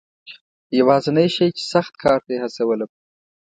یوازنی شی چې سخت کار ته یې هڅولم.